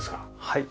はい。